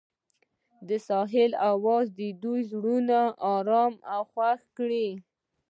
د ساحل اواز د دوی زړونه ارامه او خوښ کړل.